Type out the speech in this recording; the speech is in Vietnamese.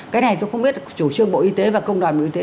cái này tôi không biết chủ trương bộ y tế và công đoàn bộ y tế